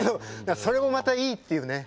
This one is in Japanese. それもまたいいっていうね